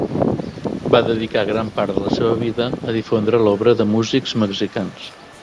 Va dedicar gran part de la seva vida a difondre l'obra de músics mexicans.